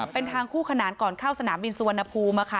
เป็นทางคู่ขนานก่อนเข้าสนามบินสุวรรณภูมิค่ะ